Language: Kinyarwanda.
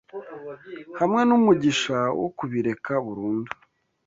hamwe n’umugisha wo kubireka burundu.